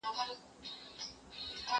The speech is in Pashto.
زه کولای سم ليکنه وکړم!؟